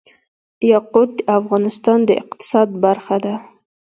یاقوت د افغانستان د اقتصاد برخه ده.